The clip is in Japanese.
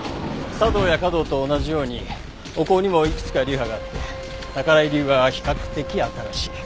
茶道や華道と同じようにお香にもいくつか流派があって宝居流は比較的新しい。